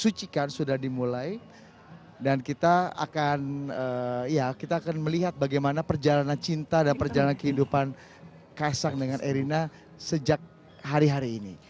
sucikan sudah dimulai dan kita akan ya kita akan melihat bagaimana perjalanan cinta dan perjalanan kehidupan kaisang dengan erina sejak hari hari ini